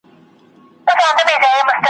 د سړک په پای کي !.